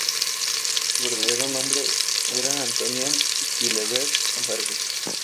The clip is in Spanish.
Su verdadero nombre era Antonia Gilabert Vargas.